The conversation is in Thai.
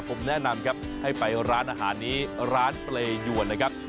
ผมแนะนำครับให้ไปร้านอาหารนี้ร้านเปรยวนนะครับ